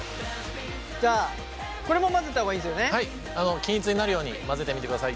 均一になるように混ぜてみてください。